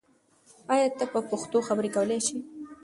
آیا ته په پښتو خبرې کولای شې؟